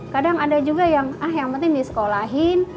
kadang ada juga yang penting disekolahin